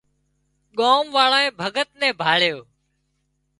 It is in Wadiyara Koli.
ڳام واۯانئين ڀڳت نين ڀاۯيو